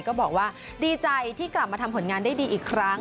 ก็บอกว่าดีใจที่กลับมาทำผลงานได้ดีอีกครั้ง